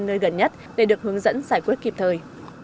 nơi gần nhất để được hướng dẫn giải quyết kịp thời